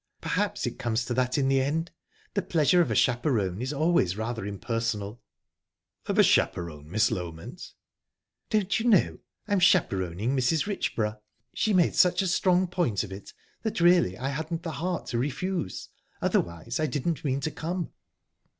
"Perhaps it comes to that in the end. The pleasure of a chaperon is always rather impersonal." "Of a chaperon, Miss Loment?" "Didn't you know? I'm chaperoning Mrs. Richborough. She made such a strong point of it that really I hadn't the heart to refuse. Otherwise, I didn't mean to come."